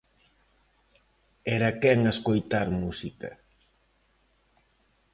Era quen a escoitar música.